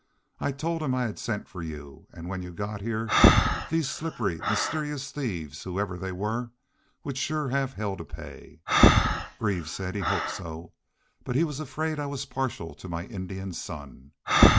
I told him I had sent for you an' when you got heah these slippery, mysterious thieves, whoever they were, would shore have hell to pay. Greaves said he hoped so, but he was afraid I was partial to my Indian son.